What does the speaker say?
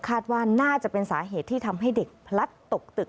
คาดว่าน่าจะเป็นสาเหตุที่ทำให้เด็กพลัดตกตึก